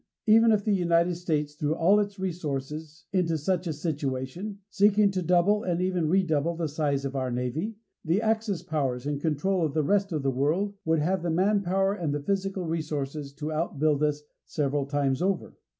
Even if the United States threw all its resources into such a situation, seeking to double and even redouble the size of our Navy, the Axis powers, in control of the rest of the world, would have the manpower and the physical resources to outbuild us several times over.